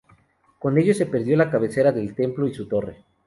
Con ello se perdió la cabecera del templo y su torre.